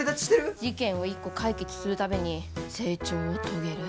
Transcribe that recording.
事件を一個解決する度に成長を遂げる。